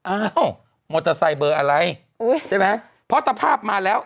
อ้าวมอเตอร์ไซค์เบอร์อะไรใช่ไหมเพราะสภาพมาแล้ว